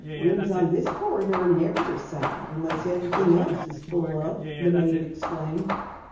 "Rooms on this corridor are never assigned unless everything else is full up," the maid explained.